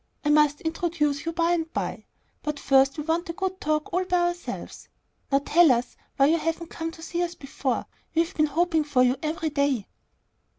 "I must introduce you by and by, but first we want a good talk all by ourselves. Now tell us why you haven't come to see us before. We have been hoping for you every day."